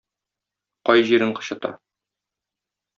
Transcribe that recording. Кай җирең кычыта.